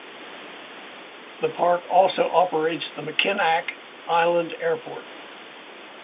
The park also operates the Mackinac Island Airport.